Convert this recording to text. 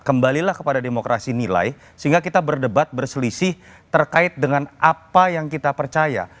kembalilah kepada demokrasi nilai sehingga kita berdebat berselisih terkait dengan apa yang kita percaya